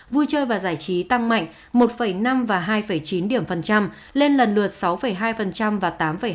vui chơi và giải trí tăng mạnh một năm và hai chín lên lần lượt sáu hai và tám hai